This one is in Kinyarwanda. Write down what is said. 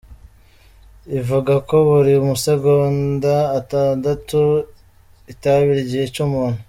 ivuga ko buri masegonda atandatu itabi ryica umuntu